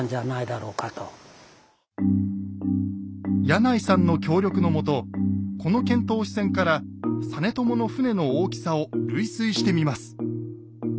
柳井さんの協力のもとこの遣唐使船から実朝の船の大きさを類推してみます。